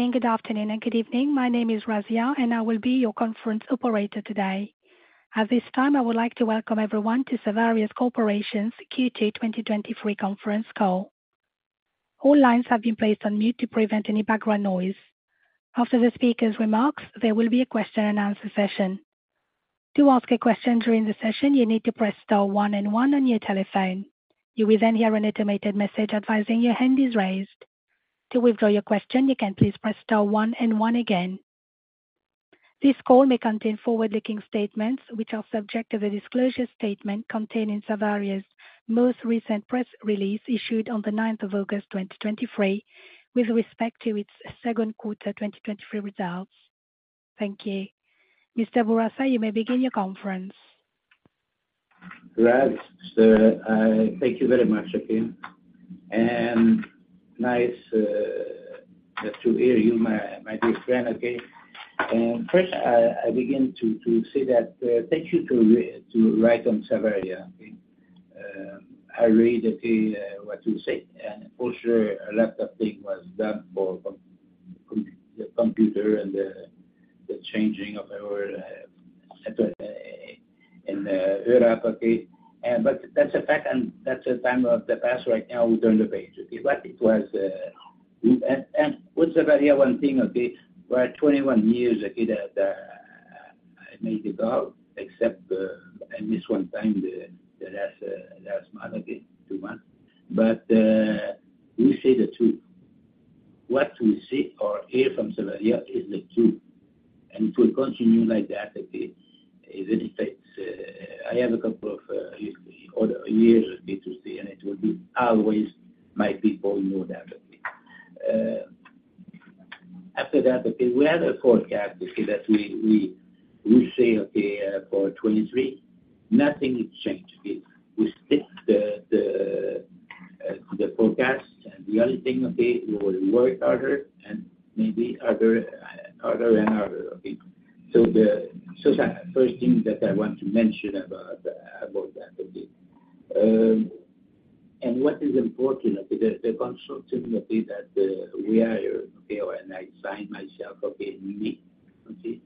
Good morning, good afternoon, and good evening. My name is Razia. I will be your conference operator today. At this time, I would like to welcome everyone to Savaria Corporation's Q2 2023 conference call. All lines have been placed on mute to prevent any background noise. After the speaker's remarks, there will be a question and answer session. To ask a question during the session, you need to press star one and one on your telephone. You will hear an automated message advising your hand is raised. To withdraw your question, you can please press star one and one again. This call may contain forward-looking statements, which are subject to the disclosure statement contained in Savaria's most recent press release, issued on the 9th of August, 2023, with respect to its second quarter 2023 results. Thank you. Mr. Bourassa, you may begin your conference. Right. Thank you very much again, and nice to hear you, my, my dear friend, okay? First, I, I begin to, to say that thank you to, to write on Savaria, okay? I read, okay, what you say, and for sure a lot of thing was done for the computer and the, the changing of our in the Europe, okay? But that's a fact, and that's a time of the past right now we turn the page, okay? It was... With Savaria One thing, okay, we are 21 years, okay, the, the, I made it out, except I miss one time, the, the last last month, okay, 2 months. We say the truth. What we see or hear from Savaria is the truth, and it will continue like that, okay? It takes. I have a couple of years, years, okay, to see, and it will be always my people know that, okay? After that, okay, we have a forecast, okay, that we, we, we say, okay, for 2023, nothing has changed, okay? We stick the, the, the forecast. The other thing, okay, we will work harder and maybe harder, harder, and harder, okay? First thing that I want to mention about, about that, okay. What is important, okay, the, the consulting, okay, that we are, okay, and I sign myself, okay, we, okay,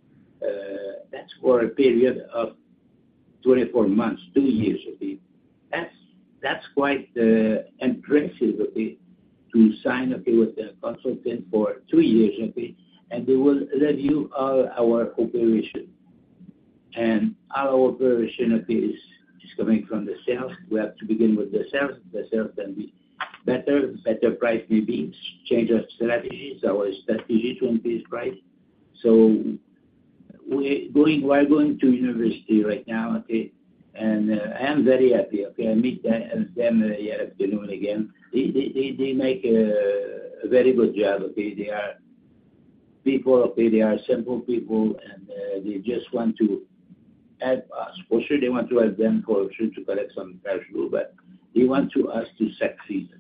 that's for a period of 24 months, 2 years, okay? That's, that's quite impressive, okay, to sign, okay, with a consultant for 2 years, okay, and they will review all our operation. Our operation, okay, is, is coming from the sales. We have to begin with the sales. The sales can be better, better price maybe, change of strategies, our strategy to increase price. We are going to university right now, okay, and I am very happy, okay? I meet them, and them, yeah, this noon again. They make a very good job, okay? They are people, okay, they are simple people, and they just want to help us. For sure, they want to help them, for sure, to collect some cash flow, but they want to us to succeed.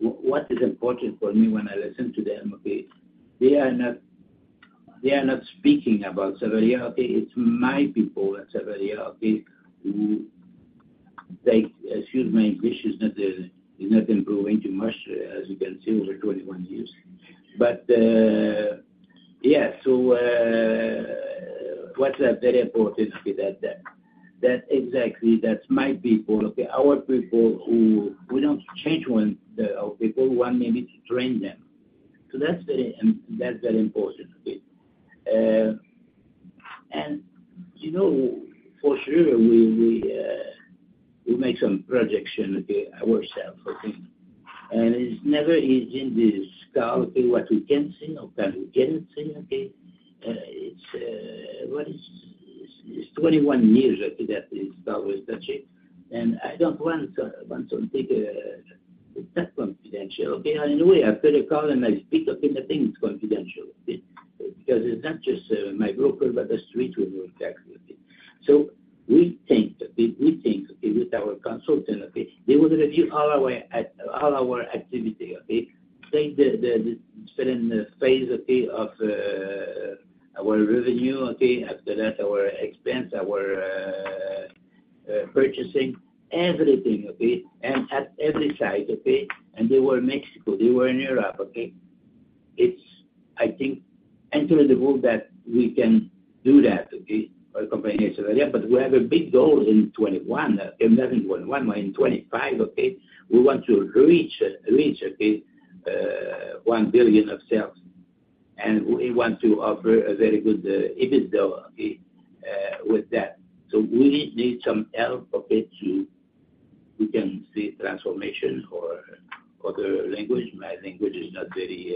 What is important for me when I listen to them, okay, they are not, they are not speaking about Savaria, okay? It's my people at Savaria, okay, who take... Excuse my English, it's not, it's not improving too much, as you can see, over 21 years. Yeah, what's that very important, okay, that, that, that exactly, that's my people, okay? Our people who we don't change one, our people, we want maybe to train them. That's very important, okay? You know, for sure, we, we, we make some projection, okay, ourselves, okay? It's never easy in this job, okay, what we can say or can't we can say, okay. It's, what is... It's 21 years, okay, that we start with that, okay? I don't want to take that confidential, okay? Anyway, after the call and I speak, okay, nothing is confidential, okay? Because it's not just my broker, but the street will know exactly, okay? We think, okay, we think, okay, with our consultant, okay, they will review all our activity, okay. Take the, the, the certain phase, okay, of our revenue, okay, after that, our expense, our purchasing, everything, okay. At every side, okay, and they were in Mexico, they were in Europe, okay. It's, I think, entering the group that we can do that, okay, for company Savaria. We have a big goal in 21, not in 21, but in 25, okay. We want to reach, reach, okay, $1 billion of sales, and we want to offer a very good EBITDA, with that. We need, need some help, okay, to... We can see transformation or other language. My language is not very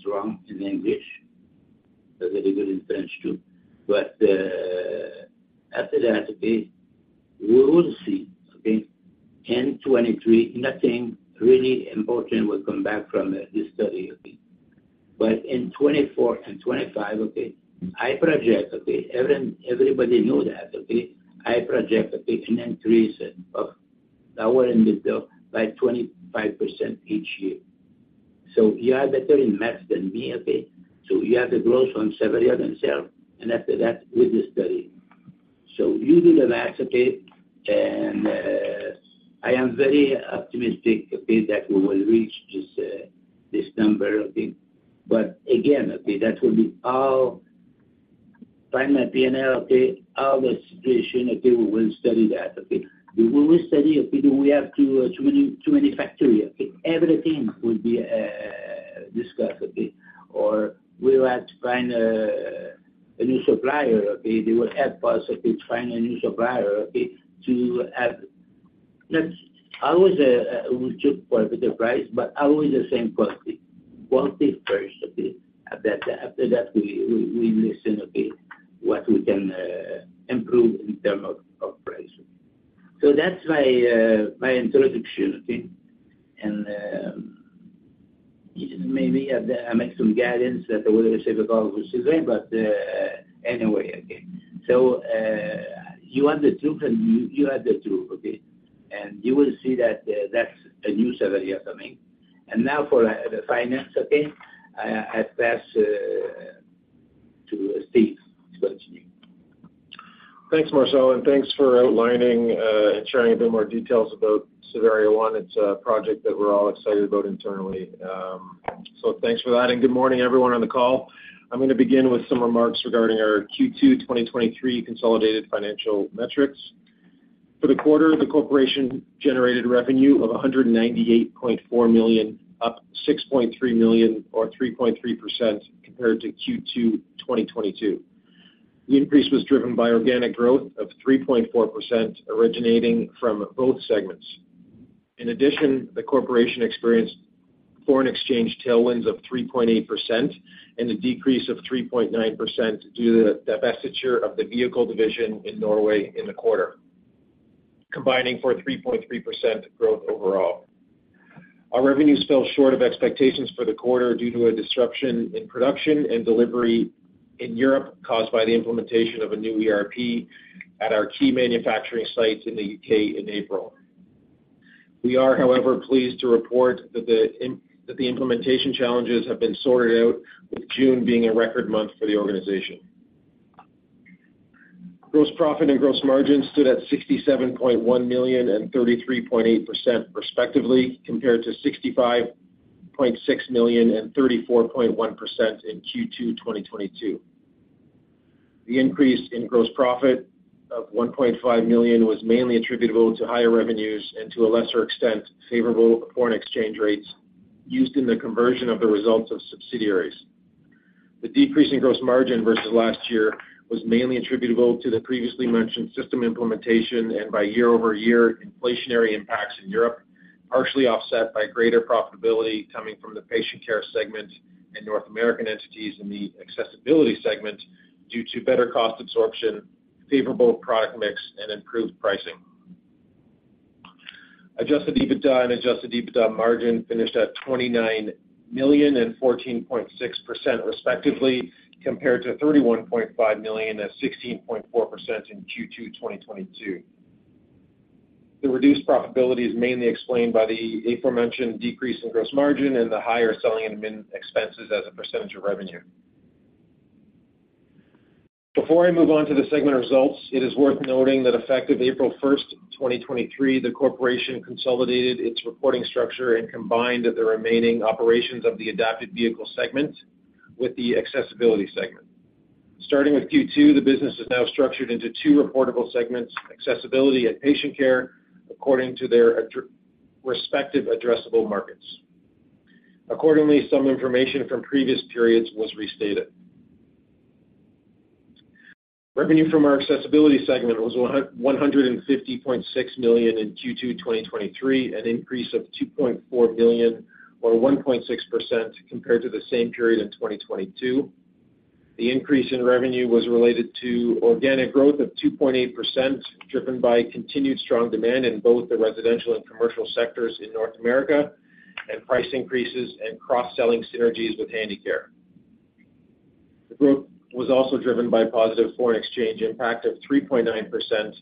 strong in English. They're very good in French, too. After that, okay, we will see, okay. In 2023, nothing really important will come back from this study, okay? In 2024 and 2025, okay, I project, okay, everybody know that, okay, I project, okay, an increase of our EBITDA by 25% each year. You are better in math than me, okay? You have the growth on Savaria themselves, and after that, with the study. Using the asset, and I am very optimistic, okay, that we will reach this, this number, okay? Again, okay, that will be all final P&L, okay, all the situation, okay, we will study that, okay? We will study, okay, do we have too many factories, okay? Everything will be discussed, okay? We will have to find a new supplier, okay? They will help us, okay, to find a new supplier, okay, that's always, we check for the price, but always the same quality. Quality first, okay. After that, after that, we listen, okay, what we can improve in term of price. That's my introduction, okay. Maybe I make some guidance that I will receive a call with Suzanne, but anyway, okay. You want the truth, and you have the truth, okay. You will see that that's a new Savaria coming. Now for the finance, okay, I pass to Steve to continue. Thanks, Marcel, and thanks for outlining and sharing a bit more details about Savaria One. It's a project that we're all excited about internally. Thanks for that, and good morning, everyone, on the call. I'm gonna begin with some remarks regarding our Q2 2023 consolidated financial metrics. For the quarter, the corporation generated revenue of 198.4 million, up 6.3 million or 3.3% compared to Q2 2022. The increase was driven by organic growth of 3.4%, originating from both segments. In addition, the corporation experienced foreign exchange tailwinds of 3.8% and a decrease of 3.9% due to the divestiture of the vehicle division in Norway in the quarter, combining for a 3.3% growth overall. Our revenues fell short of expectations for the quarter due to a disruption in production and delivery in Europe, caused by the implementation of a new ERP at our key manufacturing sites in the UK in April. We are, however, pleased to report that the implementation challenges have been sorted out, with June being a record month for the organization. Gross profit and gross margin stood at $67.1 million and 33.8% respectively, compared to $65.6 million and 34.1% in Q2 2022. The increase in gross profit of $1.5 million was mainly attributable to higher revenues and, to a lesser extent, favorable foreign exchange rates used in the conversion of the results of subsidiaries. The decrease in gross margin versus last year was mainly attributable to the previously mentioned system implementation and by year-over-year inflationary impacts in Europe, partially offset by greater profitability coming from the Patient Care segment and North American entities in the Accessibility segment, due to better cost absorption, favorable product mix, and improved pricing. Adjusted EBITDA and Adjusted EBITDA margin finished at $29 million and 14.6%, respectively, compared to $31.5 million and 16.4% in Q2 2022. The reduced profitability is mainly explained by the aforementioned decrease in gross margin and the higher selling and admin expenses as a percentage of revenue. Before I move on to the segment results, it is worth noting that effective April 1, 2023, the corporation consolidated its reporting structure and combined the remaining operations of the Adapted Vehicles segment with the Accessibility segment. Starting with Q2, the business is now structured into two reportable segments, Accessibility and Patient Care, according to their respective addressable markets. Accordingly, some information from previous periods was restated. Revenue from our Accessibility segment was 150.6 million in Q2 2023, an increase of 2.4 billion or 1.6% compared to the same period in 2022. The increase in revenue was related to organic growth of 2.8%, driven by continued strong demand in both the residential and commercial sectors in North America, and price increases and cross-selling synergies with Handicare. The group was also driven by positive foreign exchange impact of 3.9%,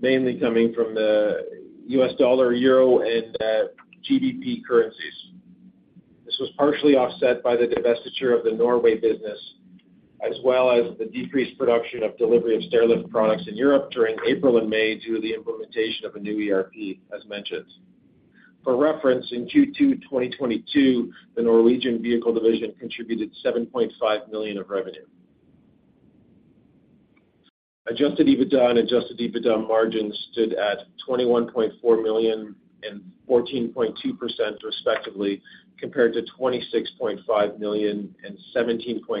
mainly coming from the US dollar, euro, and GBP currencies. This was partially offset by the divestiture of the Norway business, as well as the decreased production of delivery of stairlift products in Europe during April and May, due to the implementation of a new ERP, as mentioned. For reference, in Q2 2022, the Norwegian vehicle division contributed 7.5 million of revenue. Adjusted EBITDA and adjusted EBITDA margins stood at 21.4 million and 14.2%, respectively, compared to 26.5 million and 17.9%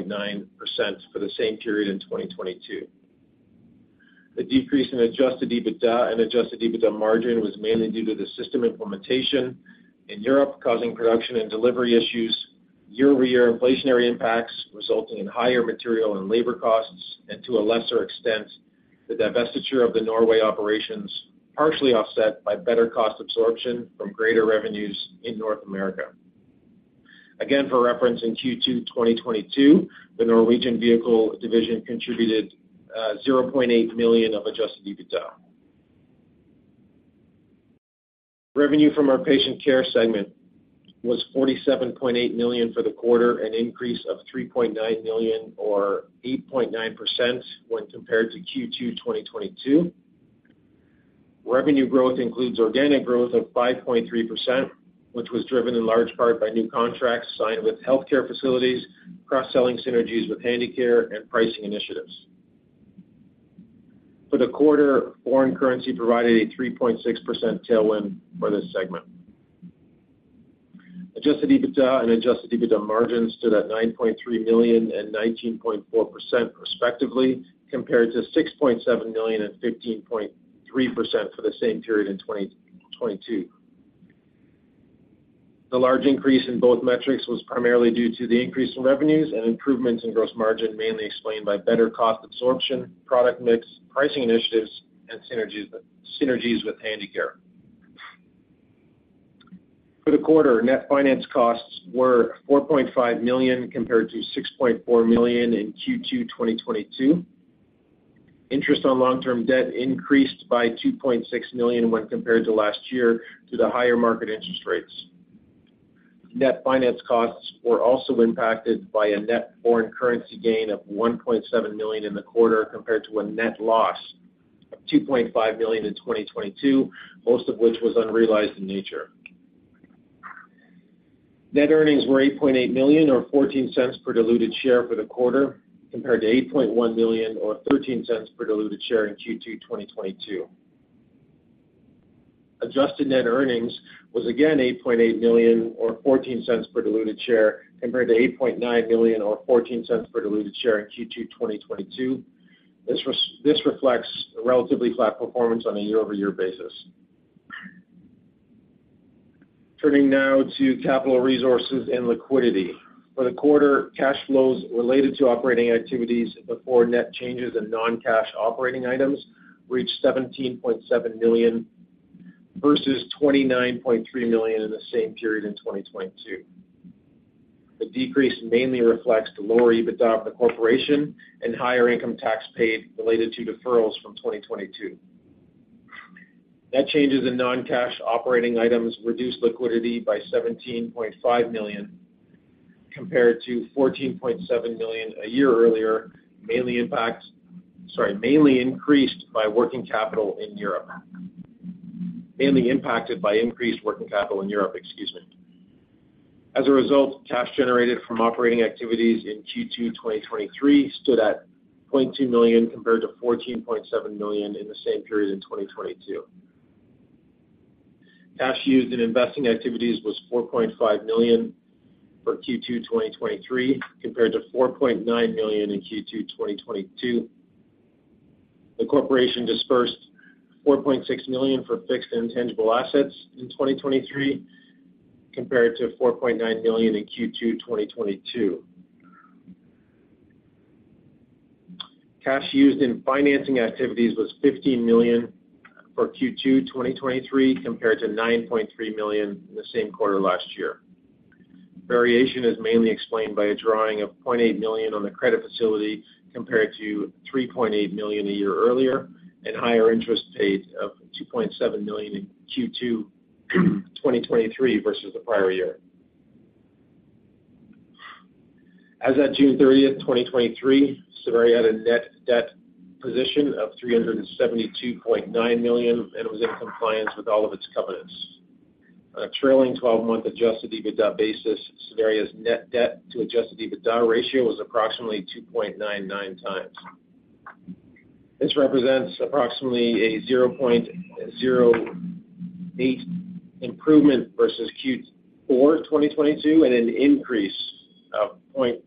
for the same period in 2022. The decrease in adjusted EBITDA and adjusted EBITDA margin was mainly due to the system implementation in Europe, causing production and delivery issues, year-over-year inflationary impacts, resulting in higher material and labor costs, and to a lesser extent, the divestiture of the Norway operations, partially offset by better cost absorption from greater revenues in North America. Again, for reference, in Q2 2022, the Norwegian vehicle division contributed $0.8 million of Adjusted EBITDA. Revenue from our Patient Care segment was $47.8 million for the quarter, an increase of $3.9 million or 8.9% when compared to Q2 2022. Revenue growth includes organic growth of 5.3%, which was driven in large part by new contracts signed with healthcare facilities, cross-selling synergies with Handicare, and pricing initiatives. For the quarter, foreign currency provided a 3.6% tailwind for this segment. Adjusted EBITDA and Adjusted EBITDA margins stood at $9.3 million and 19.4%, respectively, compared to $6.7 million and 15.3% for the same period in 2022. The large increase in both metrics was primarily due to the increase in revenues and improvements in gross margin, mainly explained by better cost absorption, product mix, pricing initiatives, and synergies with Handicare. For the quarter, net finance costs were $4.5 million, compared to $6.4 million in Q2 2022. Interest on long-term debt increased by $2.6 million when compared to last year, due to the higher market interest rates. Net finance costs were also impacted by a net foreign currency gain of $1.7 million in the quarter, compared to a net loss of $2.5 million in 2022, most of which was unrealized in nature. Net earnings were $8.8 million, or $0.14 per diluted share for the quarter, compared to $8.1 million or $0.13 per diluted share in Q2 2022. Adjusted net earnings was again 8.8 million or 0.14 per diluted share, compared to 8.9 million or 0.14 per diluted share in Q2 2022. This reflects a relatively flat performance on a year-over-year basis. Turning now to capital resources and liquidity. For the quarter, cash flows related to operating activities before net changes in non-cash operating items reached 17.7 million versus 29.3 million in the same period in 2022. The decrease mainly reflects lower EBITDA for the corporation and higher income tax paid related to deferrals from 2022. Net changes in non-cash operating items reduced liquidity by 17.5 million, compared to 14.7 million a year earlier, mainly sorry, mainly increased by working capital in Europe. Mainly impacted by increased working capital in Europe, excuse me. As a result, cash generated from operating activities in Q2 2023 stood at 0.2 million, compared to 14.7 million in the same period in 2022. Cash used in investing activities was 4.5 million for Q2 2023, compared to 4.9 million in Q2 2022. The corporation dispersed 4.6 million for fixed and tangible assets in 2023, compared to 4.9 million in Q2 2022. Cash used in financing activities was 15 million for Q2 2023, compared to 9.3 million in the same quarter last year. Variation is mainly explained by a drawing of 0.8 million on the credit facility, compared to 3.8 million a year earlier, and higher interest paid of 2.7 million in Q2 2023 versus the prior year. As at June 30th, 2023, Savaria had a net debt position of 372.9 million, it was in compliance with all of its covenants. On a trailing 12-month adjusted EBITDA basis, Savaria's net debt to adjusted EBITDA ratio was approximately 2.99 times. This represents approximately a 0.08 improvement versus Q4 2022, an increase of 0.16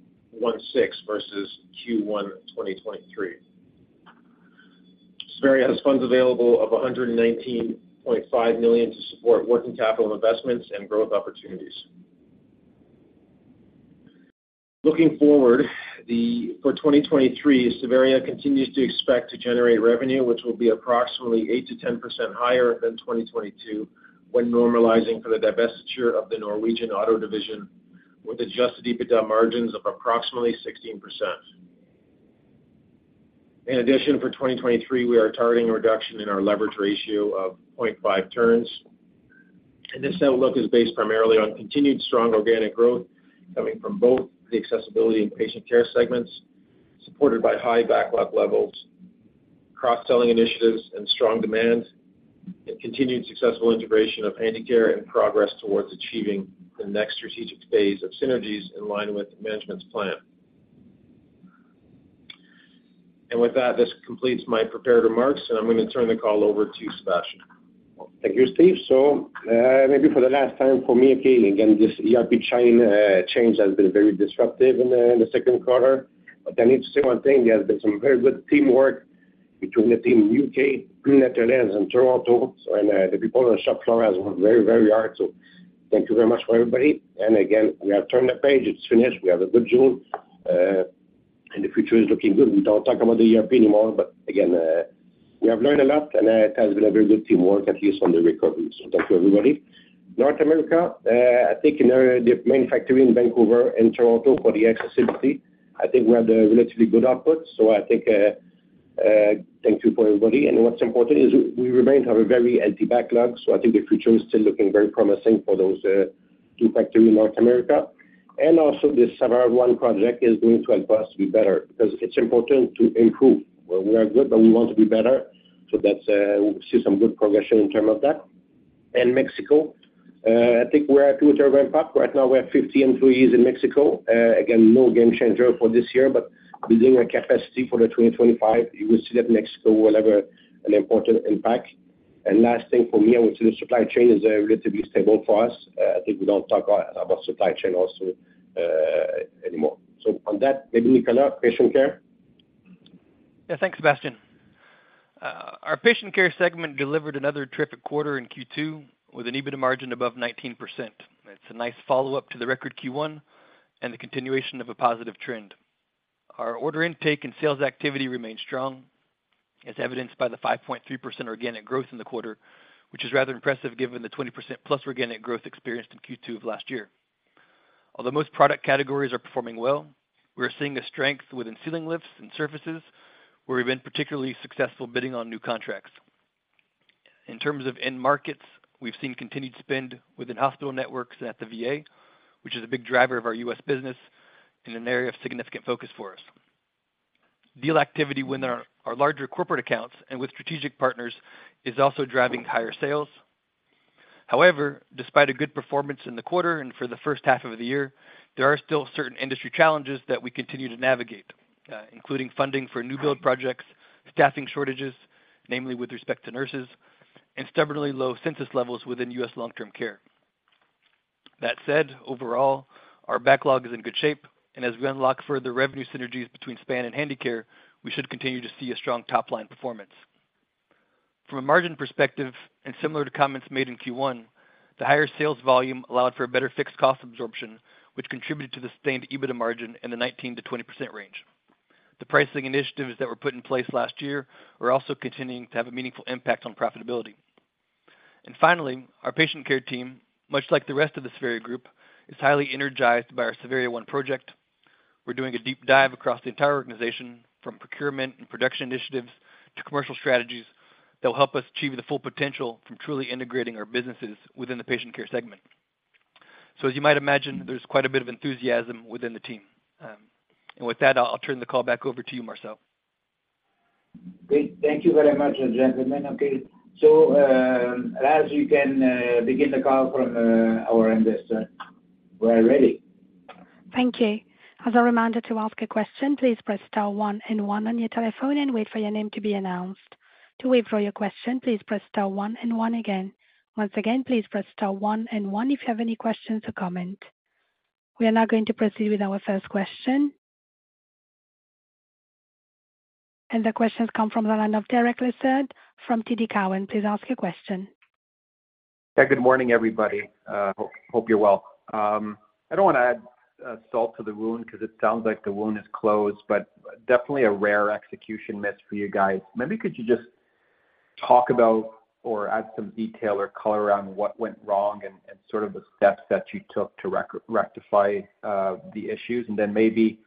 versus Q1 2023. Savaria has funds available of 119.5 million to support working capital investments and growth opportunities. Looking forward, for 2023, Savaria continues to expect to generate revenue, which will be approximately 8% to 10% higher than 2022, when normalizing for the divestiture of the Norwegian vehicle division, with adjusted EBITDA margins of approximately 16%. In addition, for 2023, we are targeting a reduction in our leverage ratio of 0.5 turns. This outlook is based primarily on continued strong organic growth coming from both the Accessibility and Patient Care segments, supported by high backlog levels, cross-selling initiatives, and strong demand, and continued successful integration of Handicare and progress towards achieving the next strategic phase of synergies in line with management's plan. With that, this completes my prepared remarks, and I'm going to turn the call over to Sebastien. Thank you, Steve. Maybe for the last time for me again, again, this ERP chain change has been very disruptive in the, in the second quarter. I need to say one thing, there has been some very good teamwork between the team in U.K., Netherlands, and Toronto, and the people on the shop floor has worked very, very hard. Thank you very much for everybody. Again, we have turned the page, it's finished, we have a good June, and the future is looking good. We don't talk about the ERP anymore, but again, we have learned a lot, and it has been a very good teamwork, at least on the recovery. Thank you, everybody. North America, I think in our, the main factory in Vancouver and Toronto for the Accessibility, I think we have the relatively good output. I think, thank you for everybody. What's important is we remain to have a very empty backlog, so I think the future is still looking very promising for those two factory in North America. Also, this Savaria One project is going to help us be better because it's important to improve. Well, we are good, but we want to be better, so that's, we see some good progression in term of that. Mexico, I think we're at two third right back. Right now, we have 50 employees in Mexico. Again, no game changer for this year, but building our capacity for the 2025, you will see that Mexico will have an important impact. Last thing for me, I would say the supply chain is relatively stable for us. I think we don't talk about, about supply chain also, anymore. On that, maybe we can have Patient Care. Yeah, thanks, Sebastian. Our Patient Care segment delivered another terrific quarter in Q2 with an EBITDA margin above 19%. It's a nice follow-up to the record Q1 and the continuation of a positive trend. Our order intake and sales activity remains strong, as evidenced by the 5.3% organic growth in the quarter, which is rather impressive given the 20%+ organic growth experienced in Q2 of last year. Although most product categories are performing well, we're seeing a strength within ceiling lifts and surfaces, where we've been particularly successful bidding on new contracts. In terms of end markets, we've seen continued spend within hospital networks at the VA, which is a big driver of our U.S. business and an area of significant focus for us. Deal activity within our, our larger corporate accounts and with strategic partners is also driving higher sales. Despite a good performance in the quarter and for the first half of the year, there are still certain industry challenges that we continue to navigate, including funding for new build projects, staffing shortages, namely with respect to nurses, and stubbornl low census levels within U.S. long-term care. Overall, our backlog is in good shape, and as we unlock further revenue synergies between Span and Handicare, we should continue to see a strong top line performance. From a margin perspective, and similar to comments made in Q1, the higher sales volume allowed for a better fixed cost absorption, which contributed to the sustained EBITDA margin in the 19% to 20% range. The pricing initiatives that were put in place last year are also continuing to have a meaningful impact on profitability. Finally, our Patient Care team, much like the rest of the Savaria group, is highly energized by our Savaria One project. We're doing a deep dive across the entire organization, from procurement and production initiatives to commercial strategies, that will help us achieve the full potential from truly integrating our businesses within the Patient Care segment. As you might imagine, there's quite a bit of enthusiasm within the team. With that, I'll turn the call back over to you, Marcel. Great. Thank you very much, gentlemen. Okay. as you can begin the call from our investor. We are ready. Thank you. As a reminder to ask a question, please press star one and one on your telephone and wait for your name to be announced. To wait for your question, please press star one and one again. Once again, please press star one and one if you have any questions or comment. We are now going to proceed with our first question. The questions come from the line of Derek Lessard from TD Cowen. Please ask your question. Yeah, good morning, everybody. Hope, hope you're well. I don't wanna add, salt to the wound because it sounds like the wound is closed. Definitely a rare execution miss for you guys. Maybe could you just talk about or add some detail or color around what went wrong and sort of the steps that you took to rectify the issues? Maybe,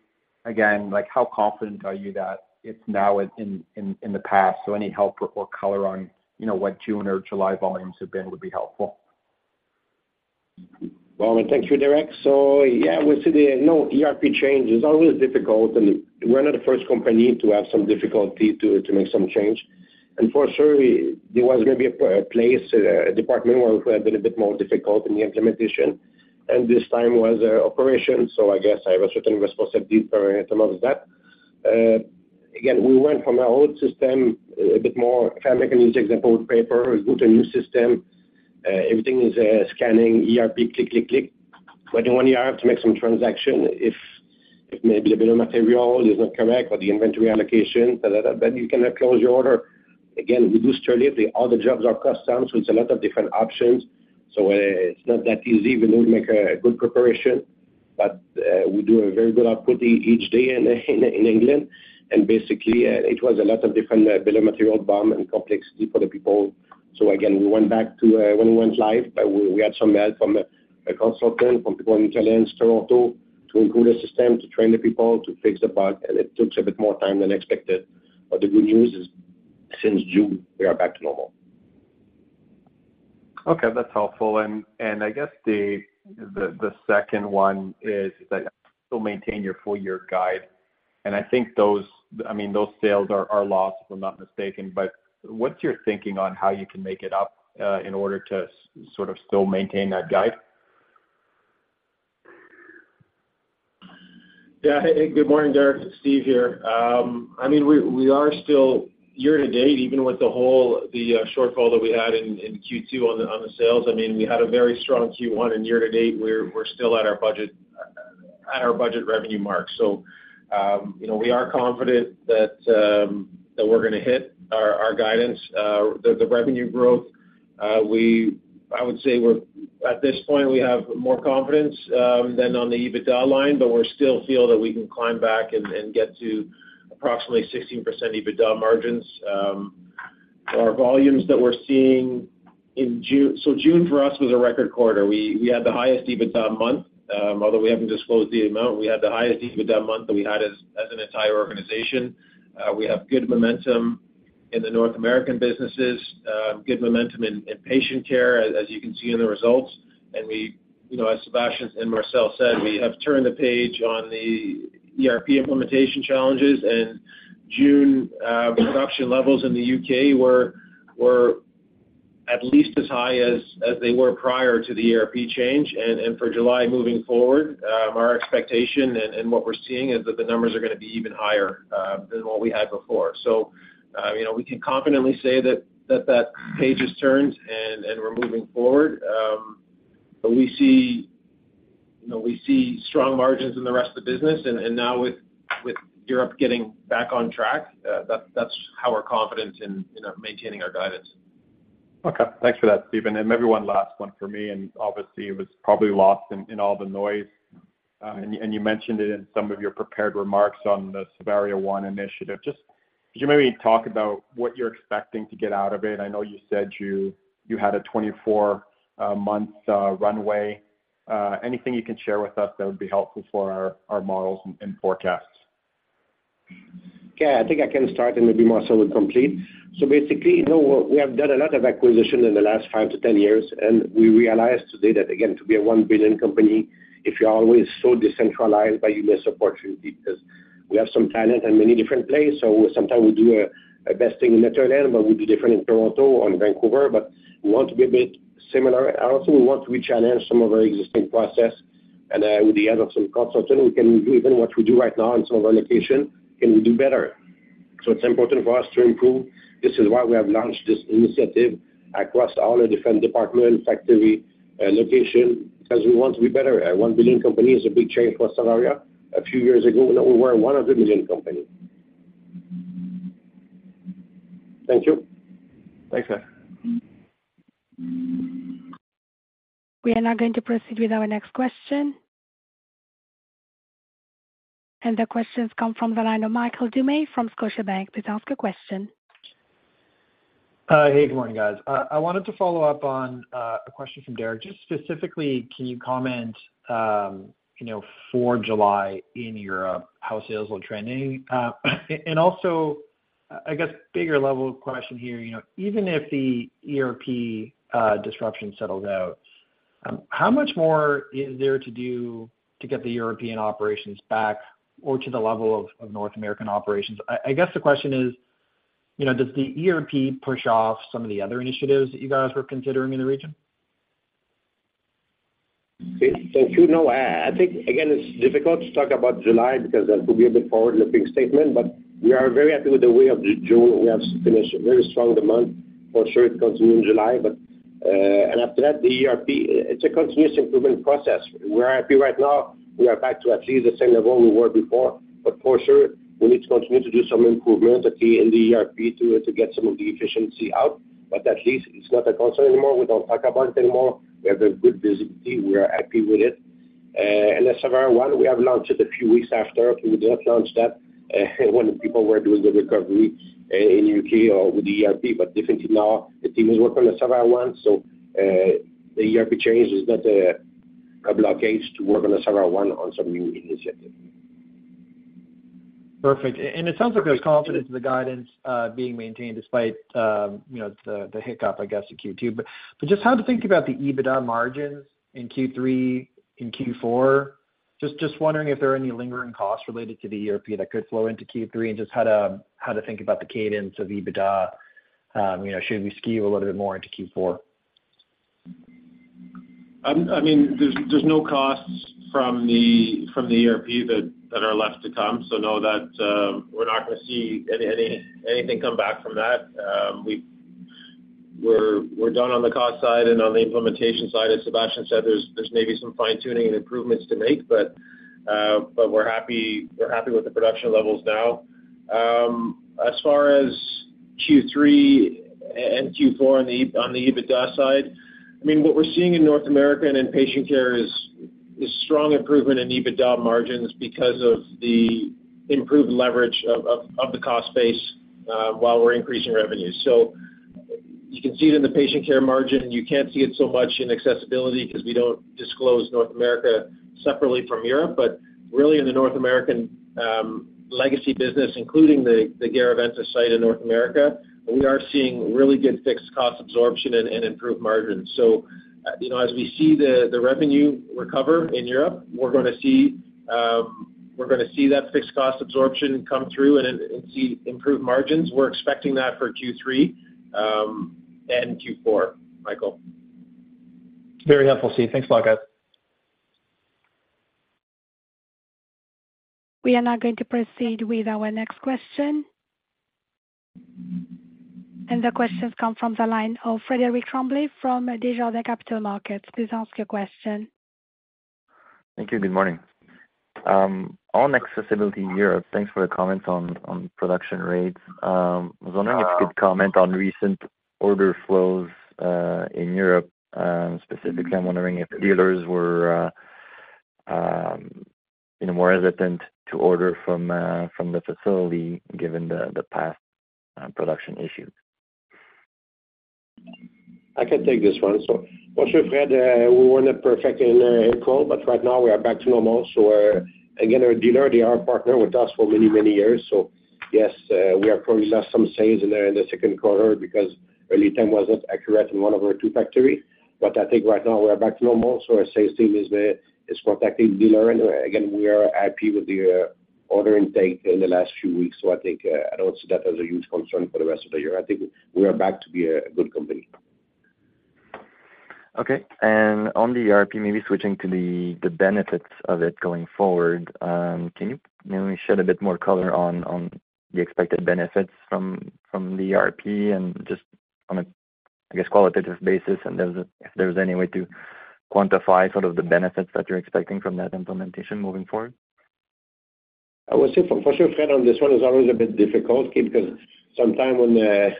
again, like, how confident are you that it's now in the past? Any help or color on, you know, what June or July volumes have been would be helpful. Well, thank you, Derek. Yeah, we see the, you know, ERP change is always difficult, and we're not the first company to have some difficulty to make some change. Unfortunately, there was gonna be a place, a department where we had a little bit more difficult in the implementation, and this time was operation, so I guess I have a certain responsibility for some of that. Again, we went from our old system, a bit more, if I make an easy example, with paper, with a new system, everything is scanning, ERP, click, click, click. 21 year, I have to make some transaction. If maybe a bill of material is not correct or the inventory allocation, then you cannot close your order. Again, we do strictly, all the jobs are custom, so it's a lot of different options. It's not that easy, even though we make a good preparation, but we do a very good output each day in England. Basically, it was a lot of different bill of material, BOM, and complexity for the people. Again, we went back to when we went live, we had some help from a consultant, from people in Italians, Toronto, to include a system, to train the people, to fix the bug, and it took us a bit more time than expected. The good news is, since June, we are back to normal. Okay, that's helpful. I guess the second one is that you still maintain your full year guide. And I think those, I mean, those sales are, are lost, if I'm not mistaken, but what's your thinking on how you can make it up in order to sort of still maintain that guide? Yeah. Hey, good morning, Derek. Steve here. I mean, we, we are still year to date, even with the whole, the shortfall that we had in Q2 on the sales. I mean, we had a very strong Q1. Year to date, we're, we're still at our budget, at our budget revenue mark. You know, we are confident that we're gonna hit our, our guidance, the revenue growth. We-- I would say we're, at this point, we have more confidence than on the EBITDA line, but we still feel that we can climb back and, and get to...... approximately 16% EBITDA margins. Our volumes that we're seeing in June, so June for us was a record quarter. We, we had the highest EBITDA month. Although we haven't disclosed the amount, we had the highest EBITDA month than we had as, as an entire organization. We have good momentum in the North American businesses, good momentum in, in Patient Care, as, as you can see in the results. We, you know, as Sebastian and Marcel said, we have turned the page on the ERP implementation challenges. June production levels in the U.K. were, were at least as high as, as they were prior to the ERP change. For July moving forward, our expectation and, and what we're seeing is that the numbers are gonna be even higher than what we had before. You know, we can confidently say that, that, that page is turned, and, and we're moving forward. We see, you know, we see strong margins in the rest of the business. Now with, with Europe getting back on track, that's, that's how we're confident in, in maintaining our guidance. Okay. Thanks for that, Stephen. Maybe one last one for me, and obviously, it was probably lost in, in all the noise. You mentioned it in some of your prepared remarks on the Savaria One initiative. Just, could you maybe talk about what you're expecting to get out of it? I know you said you, you had a 24 month runway. Anything you can share with us that would be helpful for our, our models and, and forecasts? Yeah, I think I can start, and maybe Marcel will complete. Basically, you know, we have done a lot of acquisition in the last 5 to 10 years, and we realized today that, again, to be a 1 billion company, if you're always so decentralized by you miss opportunity. We have some talent in many different places, so sometimes we do a best thing in the Netherlands, but we do different in Toronto or in Vancouver. We want to be a bit similar. We want to rechallenge some of our existing process, and with the help of some consultants, we can do even what we do right now in some of our location, can we do better? It's important for us to improve. This is why we have launched this initiative across all the different departments, factory, location, because we want to be better. A $1 billion company is a big change for Savaria. A few years ago, you know, we were a $100 million company. Thank you. Thanks, sir. We are now going to proceed with our next question. The question comes from the line of Michael Dumais, from Scotiabank. Please ask your question. Hey, good morning, guys. I wanted to follow up on a question from Derek. Just specifically, can you comment, you know, for July in Europe, how sales were trending? Also, I guess, bigger level question here. You know, even if the ERP disruption settles out, how much more is there to do to get the European operations back or to the level of North American operations? I guess, the question is, you know, does the ERP push off some of the other initiatives that you guys were considering in the region? Okay. Thank you. No, I think, again, it's difficult to talk about July because that will be a bit forward-looking statement, but we are very happy with the way of June. We have finished a very strong month. For sure, it continued in July. And after that, the ERP, it's a continuous improvement process. We're happy right now. We are back to at least the same level we were before, but for sure, we need to continue to do some improvements, particularly in the ERP, to, to get some of the efficiency out. At least it's not a concern anymore. We don't talk about it anymore. We have a good visibility. We are happy with it. And the Savaria One, we have launched it a few weeks after. We did not launch that, when people were doing the recovery, in U.K. or with the ERP, but definitely now the team is working on the Savaria One. The ERP change is not a blockade to work on the Savaria One on some new initiative. Perfect. It sounds like there's confidence in the guidance, being maintained despite, you know, the hiccup, I guess, in Q2. Just how to think about the EBITDA margins in Q3, in Q4? Just wondering if there are any lingering costs related to the ERP that could flow into Q3, and just how to think about the cadence of EBITDA? You know, should we skew a little bit more into Q4? I mean, there's, there's no costs from the, from the ERP that, that are left to come, so know that, we're not gonna see anything come back from that. We're, we're done on the cost side and on the implementation side. As Sebastian said, there's, there's maybe some fine-tuning and improvements to make, but, but we're happy, we're happy with the production levels now. As far as Q3 and Q4 on the EBITDA side, I mean, what we're seeing in North America and in Patient Care is, is strong improvement in EBITDA margins because of the improved leverage of the cost base, while we're increasing revenue. You can see it in the Patient Care margin. You can't see it so much in Accessibility because we don't disclose North America separately from Europe. Really, in the North American legacy business, including the Garaventa site in North America, we are seeing really good fixed cost absorption and improved margins. You know, as we see the revenue recover in Europe, we're gonna see, we're gonna see that fixed cost absorption come through and see improved margins. We're expecting that for Q3 and Q4, Michael. Very helpful, Steve. Thanks a lot, guys. We are now going to proceed with our next question. The question comes from the line of Frederic Tremblay from Desjardins Capital Markets. Please ask your question. Thank you. Good morning. On Accessibility in Europe, thanks for the comments on, on production rates. I was wondering- Uh-... if you could comment on recent order flows in Europe. Specifically, I'm wondering if dealers were?... you know, more hesitant to order from, from the facility, given the, the past, production issues? I can take this one. For sure, Fred, we weren't perfect in COVID, right now we are back to normal. Again, our dealer, they are partnered with us for many, many years. Yes, we have probably lost some sales in the second quarter because lead time wasn't accurate in one of our two factory. I think right now we're back to normal, our sales team is protecting dealer. Again, we are happy with the order intake in the last few weeks. I think I don't see that as a huge concern for the rest of the year. I think we are back to be a good company. Okay. On the ERP, maybe switching to the benefits of it going forward, can you maybe shed a bit more color on the expected benefits from the ERP and just on a, I guess, qualitative basis, and if there's any way to quantify sort of the benefits that you're expecting from that implementation moving forward? I would say for, for sure, Fred, on this one, it's always a bit difficult, okay, because sometimes when the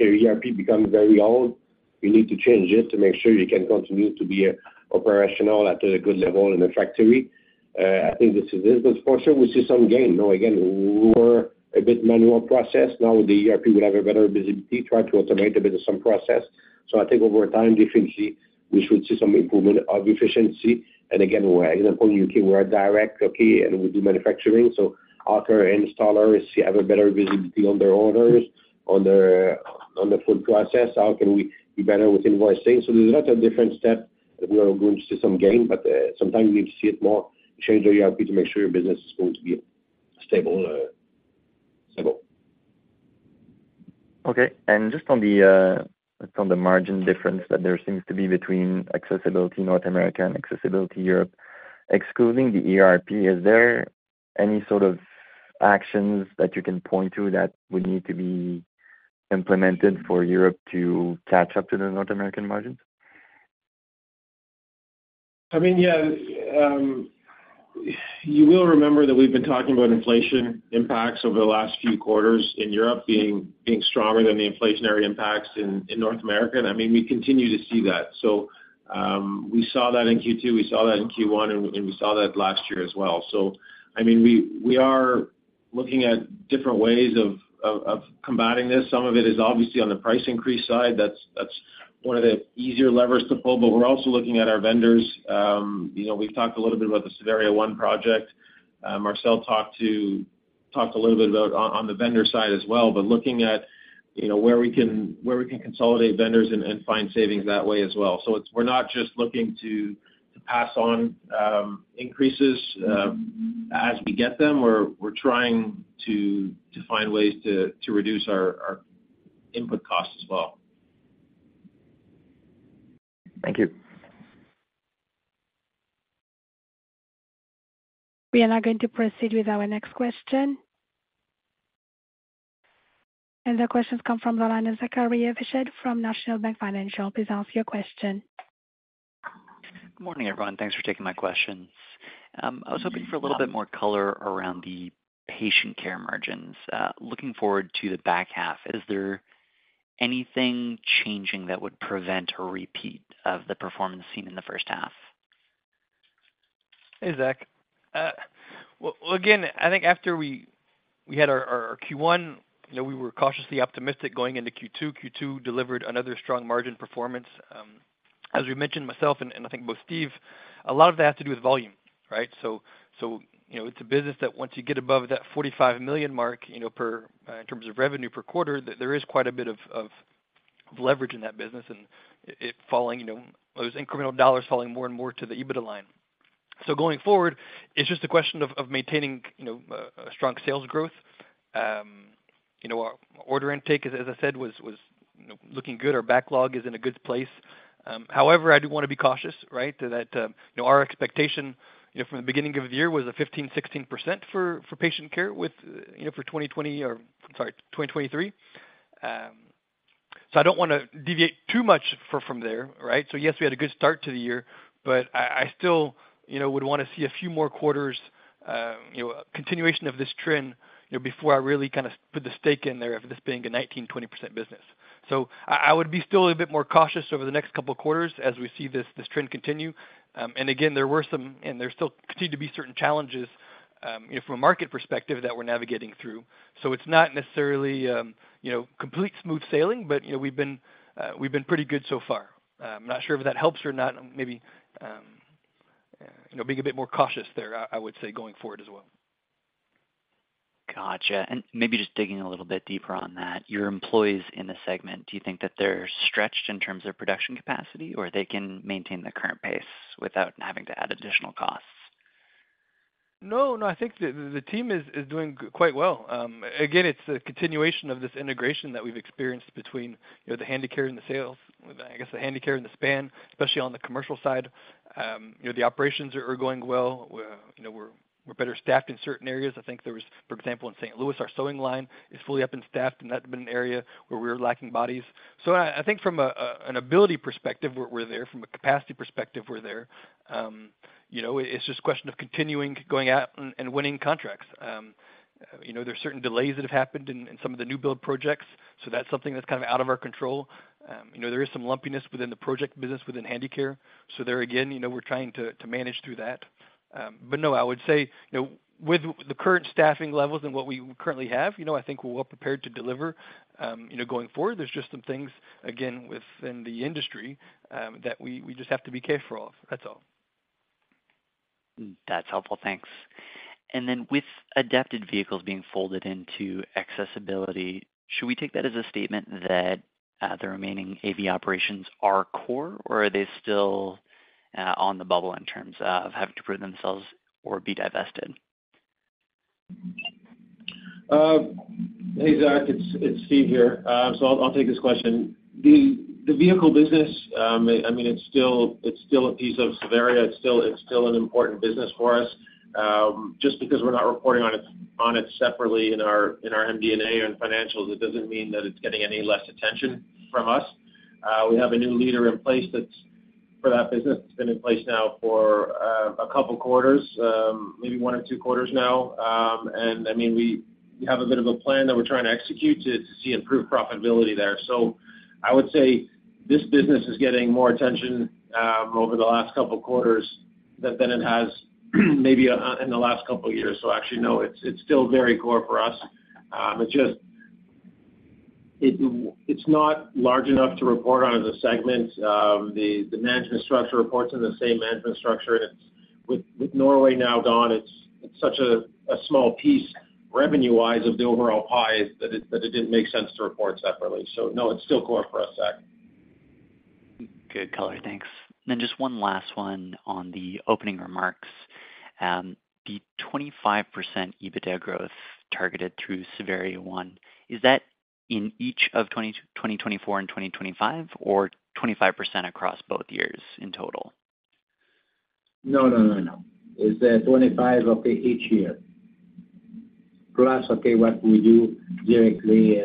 ERP becomes very old, you need to change it to make sure you can continue to be operational at a good level in the factory. I think this is, for sure, we see some gain. Now, again, we're a bit manual process. Now, with the ERP, we have a better visibility, try to automate a bit of some process. I think over time, definitely, we should see some improvement of efficiency. Again, we're example, U.K., we're direct, okay, and we do manufacturing. Our installers have a better visibility on their orders, on the full process, how can we be better with invoicing? There's a lot of different step that we are going to see some gain, but, sometimes you need to see it more, change the ERP to make sure your business is going to be stable, stable. Okay. Just on the, on the margin difference that there seems to be between Accessibility North America and Accessibility Europe, excluding the ERP, is there any sort of actions that you can point to that would need to be implemented for Europe to catch up to the North American margins? I mean, yeah, you will remember that we've been talking about inflation impacts over the last few quarters in Europe being, being stronger than the inflationary impacts in, in North America. I mean, we continue to see that. We saw that in Q2, we saw that in Q1, and, and we saw that last year as well. I mean, we, we are looking at different ways of, of, of combating this. Some of it is obviously on the price increase side. That's, that's one of the easier levers to pull. We're also looking at our vendors. You know, we've talked a little bit about the Savaria One project. Marcel talked a little bit about on the vendor side as well, looking at, you know, where we can, where we can consolidate vendors and find savings that way as well. It's, we're not just looking to pass on increases as we get them. We're trying to find ways to reduce our input costs as well. Thank you. We are now going to proceed with our next question. The questions come from the line of Zachary Evershed from National Bank Financial. Please ask your question. Good morning, everyone. Thanks for taking my questions. I was hoping for a little bit more color around the Patient Care margins. Looking forward to the back half, is there anything changing that would prevent a repeat of the performance seen in the first half? Hey, Zach. Well, well, again, I think after we, we had our, our, our Q1, you know, we were cautiously optimistic going into Q2. Q2 delivered another strong margin performance. As we mentioned, myself, and, and I think both Steve, a lot of that has to do with volume, right? So, you know, it's a business that once you get above that $45 million mark, you know, per, in terms of revenue per quarter, that there is quite a bit of, of, of leverage in that business, and it, it falling, you know, those incremental dollars falling more and more to the EBITDA line. Going forward, it's just a question of, of maintaining, you know, a strong sales growth. You know, our order intake, as, as I said, was, was, you know, looking good. Our backlog is in a good place. However, I do wanna be cautious, right? That, you know, our expectation, you know, from the beginning of the year was a 15% to 16% for, for Patient Care, with, you know, for 2020 or, I'm sorry, 2023. I don't wanna deviate too much from, from there, right? Yes, we had a good start to the year, but I, I still, you know, would wanna see a few more quarters, you know, continuation of this trend, you know, before I really kind of put the stake in there of this being a 19% to 20% business. I, I would be still a bit more cautious over the next couple of quarters as we see this, this trend continue. Again, there were some, and there still continue to be certain challenges, you know, from a market perspective that we're navigating through. It's not necessarily, you know, complete smooth sailing, but, you know, we've been pretty good so far. I'm not sure if that helps or not. Maybe, you know, being a bit more cautious there, I, I would say, going forward as well. Gotcha. Maybe just digging a little bit deeper on that, your employees in the segment, do you think that they're stretched in terms of production capacity, or they can maintain the current pace without having to add additional costs? No, no, I think the, the team is, is doing quite well. It's a continuation of this integration that we've experienced between, you know, the Handicare and the sales. I guess, the Handicare and the Span, especially on the commercial side. You know, the operations are, are going well. You know, we're, we're better staffed in certain areas. I think there was, for example, in St. Louis, our sewing line is fully up and staffed, and that had been an area where we were lacking bodies. I, I think from a, a, an ability perspective, we're, we're there. From a capacity perspective, we're there. You know, it's just a question of continuing going out and, and winning contracts. You know, there are certain delays that have happened in, in some of the new build projects, so that's something that's kind of out of our control. You know, there is some lumpiness within the project business within Handicare, so there again, you know, we're trying to, to manage through that. No, I would say, you know, with the current staffing levels and what we currently have, you know, I think we're well prepared to deliver, you know, going forward. There's just some things, again, within the industry, that we, we just have to be careful of. That's all. That's helpful. Thanks. With Adapted Vehicles being folded into Accessibility, should we take that as a statement that the remaining AV operations are core, or are they still on the bubble in terms of having to prove themselves or be divested? Hey, Zach, it's, it's Steve here. I'll, I'll take this question. The, the vehicle business, I mean, it's still, it's still a piece of Savaria. It's still, it's still an important business for us. Just because we're not reporting on it, on it separately in our MD&A and financials, it doesn't mean that it's getting any less attention from us. We have a new leader in place that's, for that business, that's been in place now for a couple quarters, maybe one or two quarters now. I mean, we, we have a bit of a plan that we're trying to execute to, to see improved profitability there. I would say this business is getting more attention over the last couple quarters than, than it has maybe in the last couple years. Actually, no, it's still very core for us. It's just it's not large enough to report on as a segment. The management structure reports in the same management structure, and it's, with Norway now gone, it's such a small piece, revenue-wise, of the overall pie that it didn't make sense to report separately. No, it's still core for us, Zach. Good color, thanks. Just one last one on the opening remarks. The 25% EBITDA growth targeted through Savaria One, is that in each of 2024 and 2025, or 25 across both years in total? No, no, no, no. It's 25 okay, each year. Plus, okay, what we do directly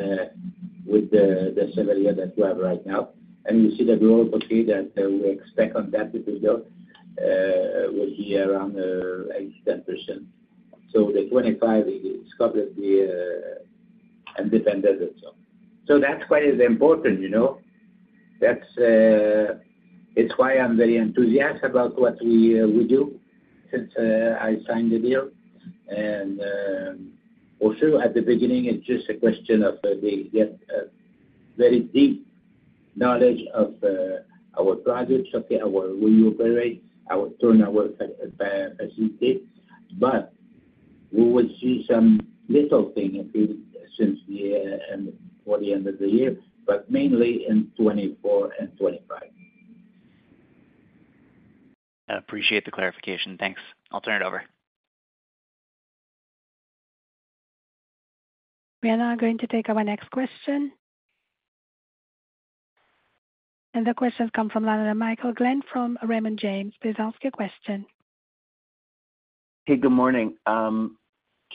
with the Savaria that we have right now, and you see the growth, okay, that we expect on that EBITDA will be around 8% to 10%. The 25 is covered the, and then dependent also. That's why it's important, you know? That's why I'm very enthusiastic about what we do since I signed the deal. Also at the beginning, it's just a question of we get a very deep knowledge of our projects, okay. Our new array, our turn, our, as you said. We will see some little things since the, and for the end of the year, but mainly in 2024 and 2025. I appreciate the clarification. Thanks. I'll turn it over. We are now going to take our next question. The question comes from Michael Glen from Raymond James. Please ask your question. Hey, good morning. Can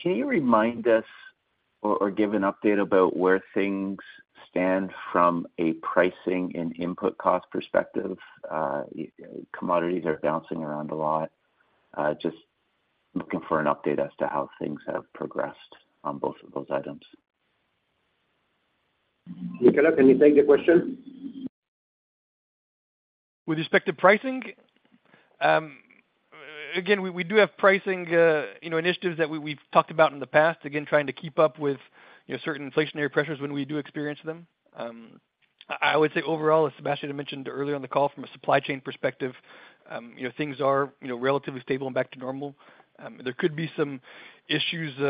you remind us or, or give an update about where things stand from a pricing and input cost perspective? Commodities are bouncing around a lot. Just looking for an update as to how things have progressed on both of those items. Nicolas, can you take the question? With respect to pricing, again, we, we do have pricing, you know, initiatives that we, we've talked about in the past. Again, trying to keep up with, you know, certain inflationary pressures when we do experience them. I, I would say overall, as Sebastian had mentioned earlier on the call, from a supply chain perspective, you know, things are, you know, relatively stable and back to normal. There could be some issues, you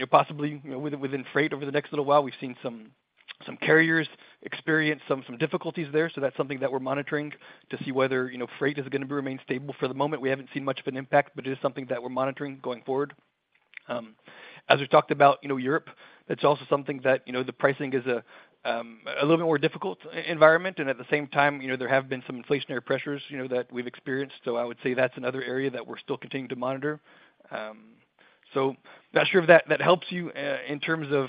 know, possibly, you know, within, within freight over the next little while. We've seen some, some carriers experience some, some difficulties there, so that's something that we're monitoring to see whether, you know, freight is gonna remain stable. For the moment, we haven't seen much of an impact, but it is something that we're monitoring going forward. As we talked about, you know, Europe, it's also something that, you know, the pricing is a little bit more difficult environment. At the same time, you know, there have been some inflationary pressures, you know, that we've experienced. I would say that's another area that we're still continuing to monitor. Not sure if that, that helps you in terms of,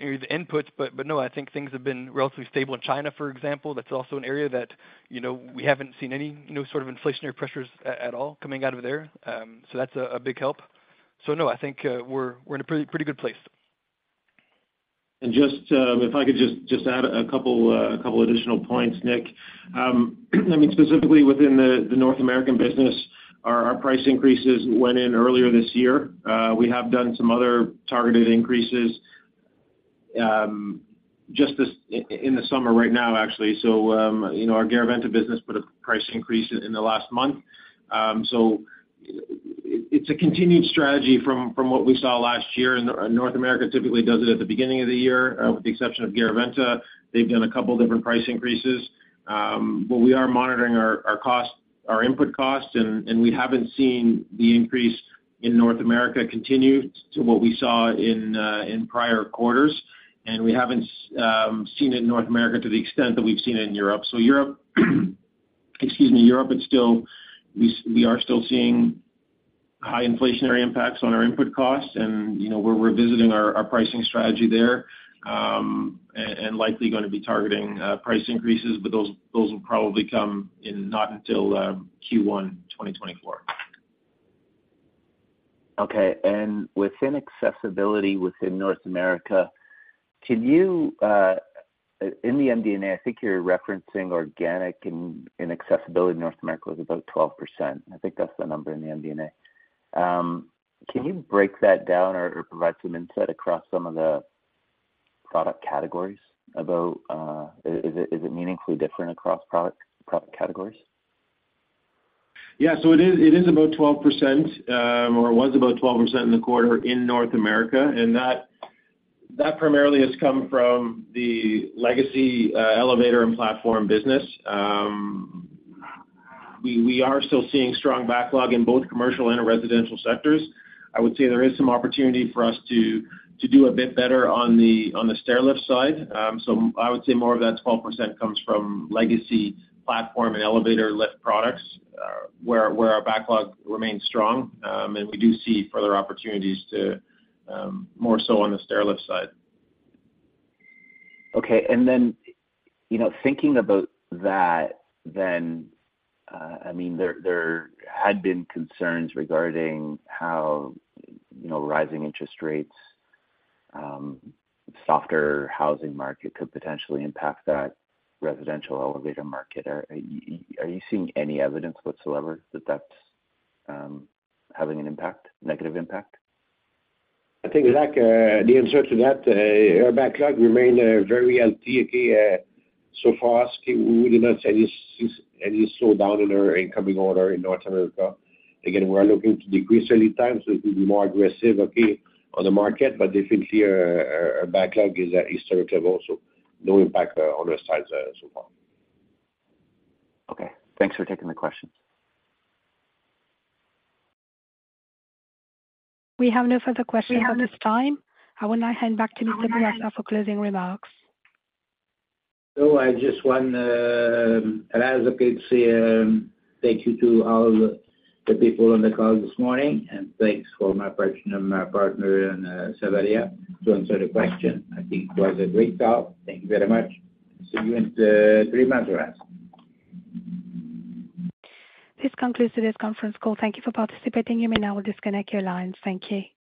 you know, the inputs, no, I think things have been relatively stable in China, for example. That's also an area that, you know, we haven't seen any, you know, sort of inflationary pressures at all coming out of there. That's a big help. No, I think we're in a pretty good place. Just, if I could just add a couple, a couple additional points, Nick. I mean, specifically within the North American business, our price increases went in earlier this year. We have done some other targeted increases, just this, in the summer right now, actually. You know, our Garaventa business put a price increase in the last month. It's a continued strategy from, from what we saw last year, and North America typically does it at the beginning of the year, with the exception of Garaventa. They've done a couple different price increases. We are monitoring our, our costs, our input costs, and we haven't seen the increase in North America continue to what we saw in prior quarters, and we haven't seen it in North America to the extent that we've seen it in Europe. Europe, excuse me. Europe, it's still. We are still seeing high inflationary impacts on our input costs, and, you know, we're revisiting our, our pricing strategy there, and likely gonna be targeting price increases, but those, those will probably come in not until Q1 2024. Okay, and within Accessibility within North America, can you, in the MD&A, I think you're referencing organic and, and Accessibility in North America was about 12%. I think that's the number in the MD&A. Can you break that down or, or provide some insight across some of the product categories about, is it, is it meaningfully different across product, product categories? Yeah. It is, it is about 12%, or was about 12% in the quarter in North America, and that, that primarily has come from the legacy elevator and platform business. We, we are still seeing strong backlog in both commercial and residential sectors. I would say there is some opportunity for us to, to do a bit better on the, on the stairlift side. I would say more of that 12% comes from legacy platform and elevator lift products, where, where our backlog remains strong. We do see further opportunities to more so on the stairlift side. Okay. You know, thinking about that, then, I mean, there, there had been concerns regarding how, you know, rising interest rates, softer housing market could potentially impact that residential elevator market. Are, are you seeing any evidence whatsoever that that's, having an impact, negative impact? I think, Zach, the answer to that, our backlog remain, very healthy. For us, we really not see any, any slowdown in our incoming order in North America. Again, we are looking to decrease lead time, so we will be more aggressive, on the market. Definitely, our, our backlog is at historic level, so no impact on our sides, so far. Okay. Thanks for taking the question. We have no further questions at this time. I will now hand back to Mr. Bourassa for closing remarks. I just want, as I could say, thank you to all the people on the call this morning, and thanks for my partner, my partner in, Savaria, to answer the question. I think it was a great call. Thank you very much. See you in 3 months or less. This concludes today's conference call. Thank you for participating. You may now disconnect your lines. Thank you.